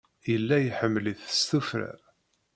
Yella iḥemmel-it s tuffra.